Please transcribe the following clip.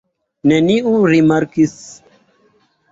Neniu rimarkis!